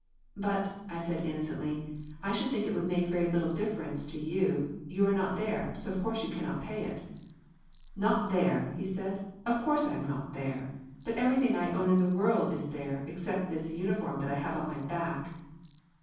"But," I said innocently, "I should think it would make very little difference to you. You are not there, so of course you cannot pay it." "Not there!" he said. "Of course I am not there. But everything I own in the world is there, except this uniform that I have on my back."